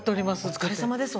お疲れさまです。